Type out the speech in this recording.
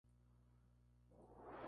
Actualmente vive en Rute, en Gotland.